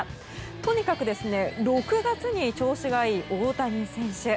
とにかく６月に調子がいい大谷選手。